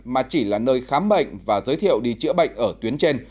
mà chỉ là nơi khám bệnh và giới thiệu đi chữa bệnh ở tuyến trên